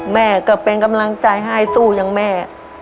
แม่ก็เป็นกำลังใจให้สู้อย่างแม่